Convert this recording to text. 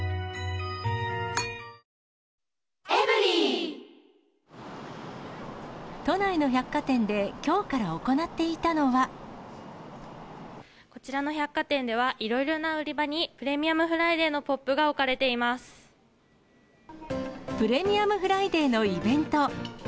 トーンアップ出た都内の百貨店で、きょうからこちらの百貨店では、いろいろな売り場にプレミアムフライデーのポップが置かれていまプレミアムフライデーのイベント。